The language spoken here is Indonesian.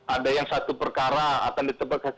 ada yang satu perkara akan ditebak ke lapas